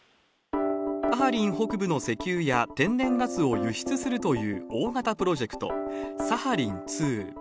サハリン北部の石油や天然ガスを輸出するという大型プロジェクト、サハリン２。